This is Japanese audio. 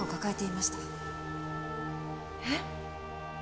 えっ？